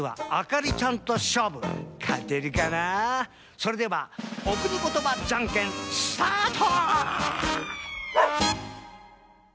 それではお国ことばじゃんけんスタート！